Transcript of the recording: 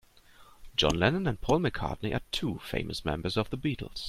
John Lennon and Paul McCartney are two famous members of the Beatles.